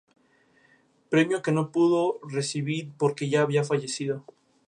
Premio que no pudo recibir porque ya había fallecido